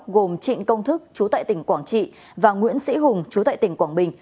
gồm trịnh công thức chú tại tỉnh quảng trị và nguyễn sĩ hùng chú tại tỉnh quảng bình